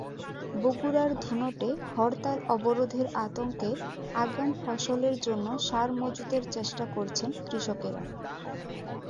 বগুড়ার ধুনটে হরতাল-অবরোধের আতঙ্কে আগাম ফসলের জন্য সার মজুতের চেষ্টা করছেন কৃষকেরা।